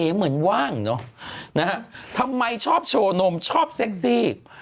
เหมือนว่างเนอะนะฮะทำไมชอบโชว์นมชอบเซ็กซี่